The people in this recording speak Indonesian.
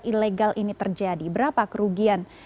ilegal ini terjadi berapa kerugian